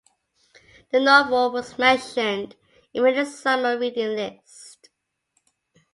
The novel was mentioned in many summer reading lists.